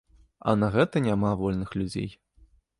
А на гэта няма вольных людзей.